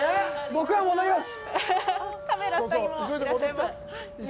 僕は戻ります。